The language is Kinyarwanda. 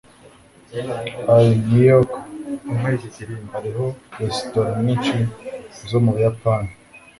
i new york hariho resitora nyinshi zo mu buyapani